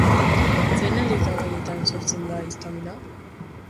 Zein elikagaietan sortzen da histamina?